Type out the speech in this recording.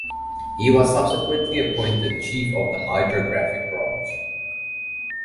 He was subsequently appointed Chief of the Hydrographic Branch.